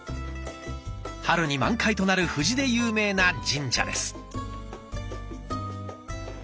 春に満開となる藤で有名な神社です。